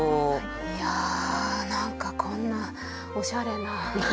いや何かこんなおしゃれな仕上がりに。